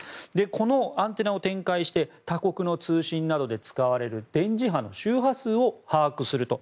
このアンテナを展開して他国の通信などで使われる電磁波の周波数を把握すると。